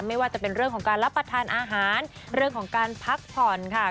ไม่ว่าจะเป็นเรื่องของการรับประทานอาหารเรื่องของการพักผ่อนค่ะ